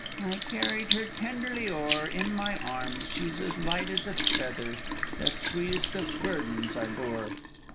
I carried her tenderly o'er. In my arms she's as light as a feather That sweetest of burdens I bore!"